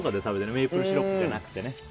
メープルシロップじゃなくて。